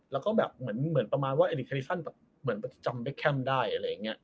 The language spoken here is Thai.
แล้วก็เหมือนประมาณว่าเอริคแฮริสันเหมือนจะจำเบคแคมป์ได้อะไรอย่างเงี้ย